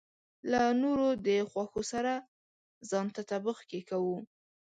له نورو د خوښو سره ځان تطابق کې کوو.